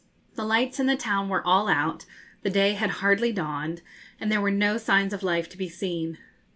The lights in the town were all out, the day had hardly dawned, and there were no signs of life to be seen.